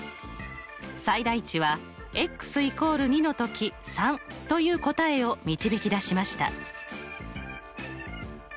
最大値は＝２のとき３という答えを導き出しました。